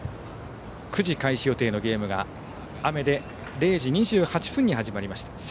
９時開始予定のゲームが雨で０時２８分に始まりました。